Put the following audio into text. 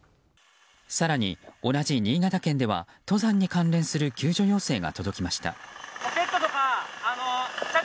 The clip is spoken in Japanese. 更に同じ新潟県では登山に関連する救助要請が届きました。